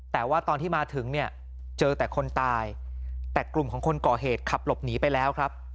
แต่ว่าตอนที่มาถึงเนี่ยเจอแต่คนตายแต่กลุ่มของคนก่อเหตุขับหลบหนีไปแล้วครับ